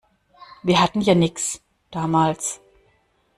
Wir hatten ja nix, damals.